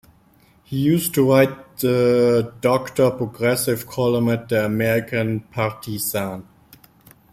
He used to write the "Doctor Progressive" column at "The American Partisan".